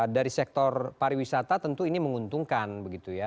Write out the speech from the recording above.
dari sektor pariwisata tentu ini menguntungkan begitu ya